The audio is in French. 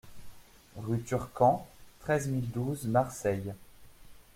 Rue Turcan, treize mille douze Marseille